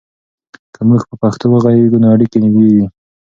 که موږ په پښتو وغږیږو، نو اړیکې نږدې وي.